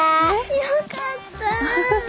よかった。